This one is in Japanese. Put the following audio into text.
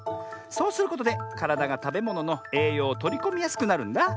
そうすることでからだがたべもののえいようをとりこみやすくなるんだあ。